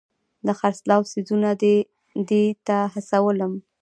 د خرڅلاو څیزونه دې ته هڅولم.